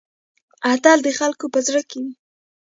اتل د خلکو په زړه کې وي